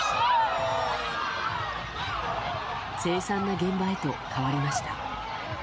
凄惨な現場へと変わりました。